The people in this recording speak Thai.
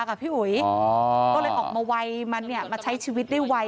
พี่อุ๋ยก็เลยออกมาไวมันมาใช้ชีวิตได้ไว